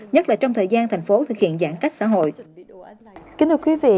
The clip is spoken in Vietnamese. nhất là trong thời gian tp hcm thực hiện giãn cách xã hội